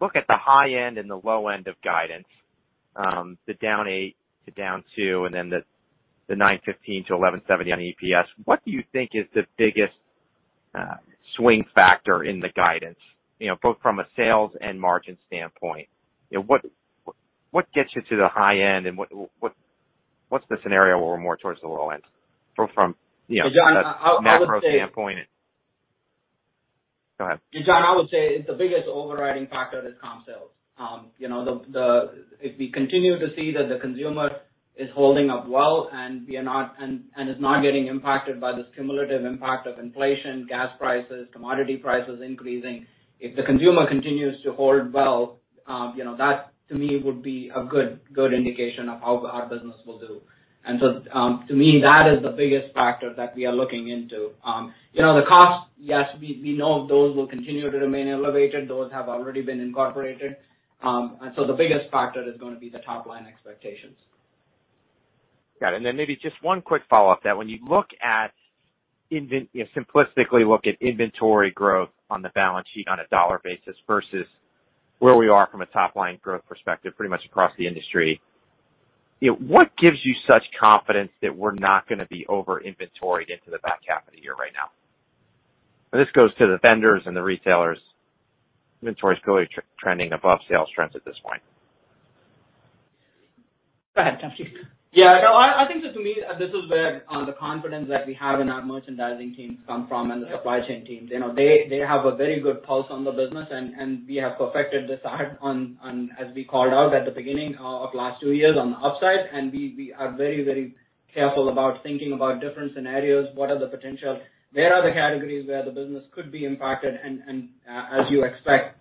look at the high end and the low end of guidance, the down 8% to down 2%, and then the $9.15-$11.70 on EPS, what do you think is the biggest swing factor in the guidance? You know, both from a sales and margin standpoint. You know, what gets you to the high end and what's the scenario where we're more towards the low end, both from you know the macro standpoint and. Go ahead. John, I would say the biggest overriding factor is comp sales. You know, if we continue to see that the consumer is holding up well and is not getting impacted by this cumulative impact of inflation, gas prices, commodity prices increasing. If the consumer continues to hold well, you know, that to me would be a good indication of how our business will do. To me, that is the biggest factor that we are looking into. You know, the cost, yes, we know those will continue to remain elevated. Those have already been incorporated. The biggest factor is gonna be the top line expectations. Got it. Maybe just one quick follow-up that when you look at simplistically look at inventory growth on the balance sheet on a dollar basis versus where we are from a top line growth perspective, pretty much across the industry, you know, what gives you such confidence that we're not gonna be over inventoried into the back half of the year right now? This goes to the vendors and the retailers. Inventory is clearly trending above sales trends at this point. Go ahead, Navdeep. Yeah. No, I think that to me, this is where the confidence that we have in our merchandising team come from and the supply chain teams. You know, they have a very good pulse on the business, and we have perfected this art as we called out at the beginning of last two years on the upside. We are very, very careful about thinking about different scenarios. What are the potential? Where are the categories where the business could be impacted? As you expect,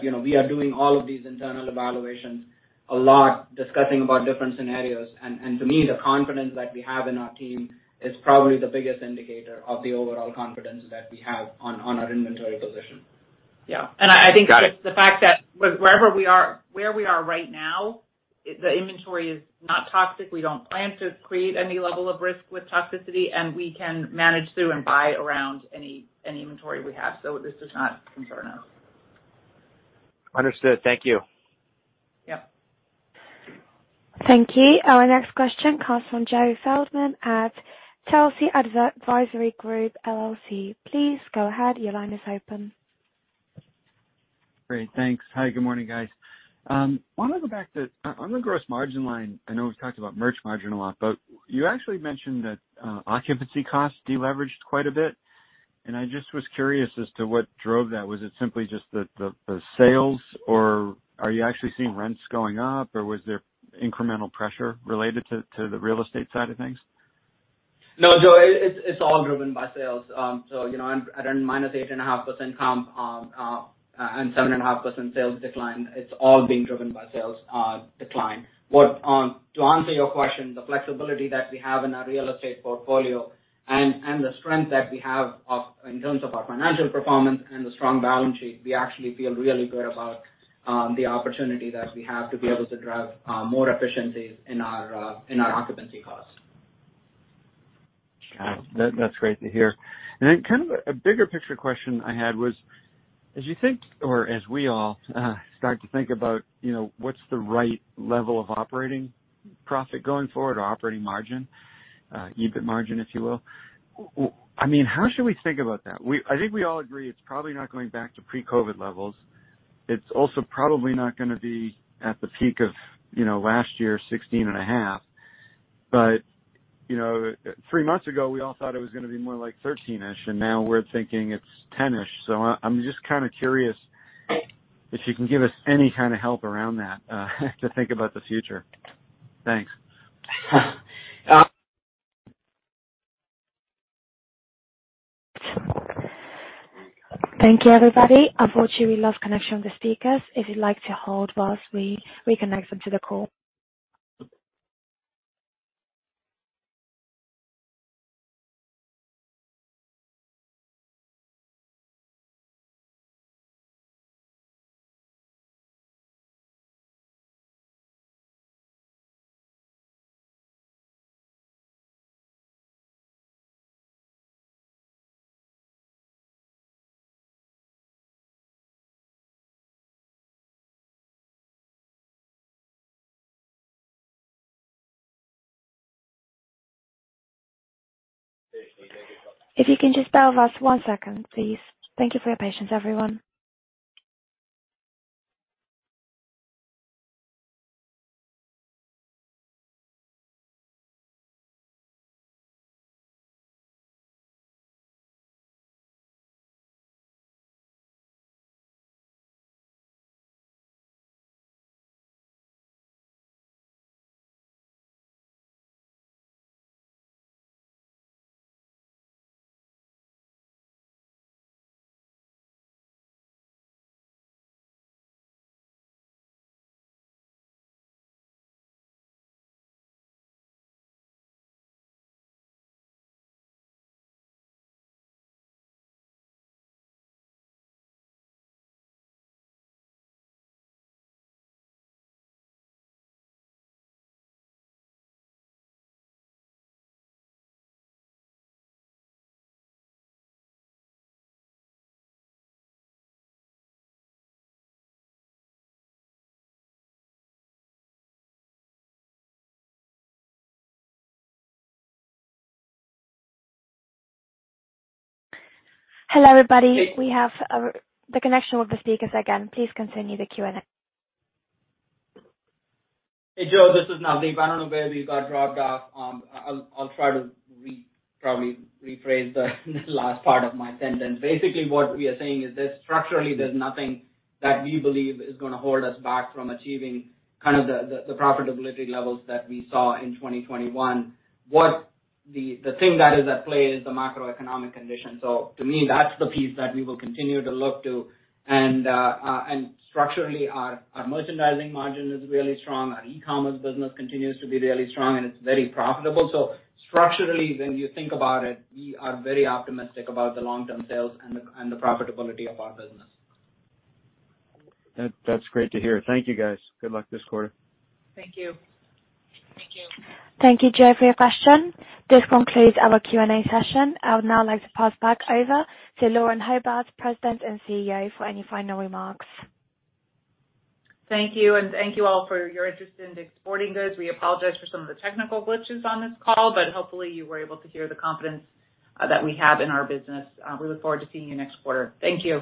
you know, we are doing all of these internal evaluations a lot, discussing about different scenarios. To me, the confidence that we have in our team is probably the biggest indicator of the overall confidence that we have on our inventory position. Yeah. I think. Got it. just the fact that where we are right now. The inventory is not toxic. We don't plan to create any level of risk with toxicity, and we can manage through and buy around any inventory we have. This does not concern us. Understood. Thank you. Yep. Thank you. Our next question comes from Joe Feldman at Telsey Advisory Group LLC. Please go ahead. Your line is open. Great. Thanks. Hi, good morning, guys. I wanna go back to on the gross margin line. I know we've talked about merch margin a lot, but you actually mentioned that occupancy costs deleveraged quite a bit, and I just was curious as to what drove that. Was it simply just the sales, or are you actually seeing rents going up, or was there incremental pressure related to the real estate side of things? No, Joey, it's all driven by sales. You know, at a -8.5% comp and -7.5% sales decline, it's all being driven by sales decline. To answer your question, the flexibility that we have in our real estate portfolio and the strength that we have in terms of our financial performance and the strong balance sheet, we actually feel really good about the opportunity that we have to be able to drive more efficiencies in our occupancy costs. Got it. That's great to hear. Then kind of a bigger picture question I had was, as you think, or as we all start to think about, you know, what's the right level of operating profit going forward or operating margin, EBIT margin, if you will, I mean, how should we think about that? I think we all agree it's probably not going back to pre-COVID levels. It's also probably not gonna be at the peak of, you know, last year, 16.5%. You know, three months ago, we all thought it was gonna be more like 13%, and now we're thinking it's 10%. I'm just kinda curious if you can give us any kind of help around that, to think about the future. Thanks. Um- Thank you, everybody. I've lost you. We lost connection with the speakers. If you'd like to hold while we reconnect them to the call. If you can just bear with us one 2nd, please. Thank you for your patience, everyone. Hello, everybody. We have the connection with the speakers again. Please continue the Q&A. Hey, Joe, this is Navdeep. I don't know where we got dropped off. I'll try to rephrase the last part of my sentence. Basically, what we are saying is that structurally, there's nothing that we believe is gonna hold us back from achieving kind of the profitability levels that we saw in 2021. What the thing that is at play is the macroeconomic conditions. To me, that's the piece that we will continue to look to. Structurally, our merchandising margin is really strong. Our e-commerce business continues to be really strong, and it's very profitable. Structurally, when you think about it, we are very optimistic about the long-term sales and the profitability of our business. That's great to hear. Thank you, guys. Good luck this quarter. Thank you. Thank you, Joe, for your question. This concludes our Q&A session. I would now like to pass back over to Lauren Hobart, President and CEO, for any final remarks. Thank you, and thank you all for your interest in DICK'S Sporting Goods. We apologize for some of the technical glitches on this call, but hopefully you were able to hear the confidence that we have in our business. We look forward to seeing you next quarter. Thank you.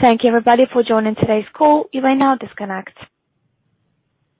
Thank you, everybody, for joining today's call. You may now disconnect.